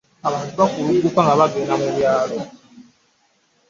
Abantu bakuluguka nga bagenda mu byalo.